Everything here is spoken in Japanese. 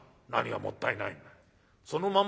「何がもったいないの？